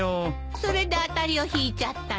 それで当たりを引いちゃったの？